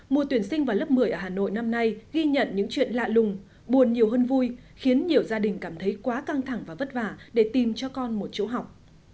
mùa tuyển sinh vào lớp một mươi ở hà nội năm nay ghi nhận những chuyện lạ lùng buồn nhiều hơn vui khiến nhiều gia đình cảm thấy quá căng thẳng và vất vả để tìm cho con một chỗ học